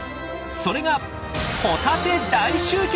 それがホタテ大集結！